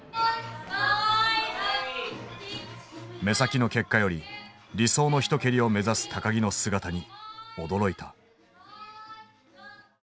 目先の結果より理想の一蹴りを目指す木の姿に驚いた。